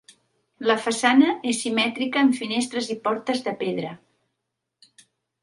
La façana és simètrica amb finestres i portes de pedra.